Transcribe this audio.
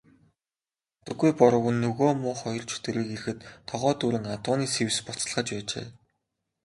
Болдоггүй Бор өвгөн нөгөө муу хоёр чөтгөрийг ирэхэд тогоо дүүрэн адууны сэвс буцалгаж байжээ.